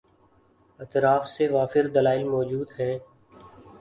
اطراف سے وافر دلائل مو جود ہیں۔